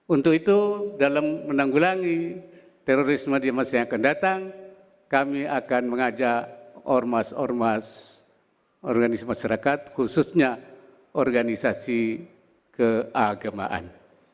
untuk itu dalam menanggulangi terorisme di masa yang akan datang kami akan mengajak ormas ormas organisasi masyarakat khususnya organisasi keagamaan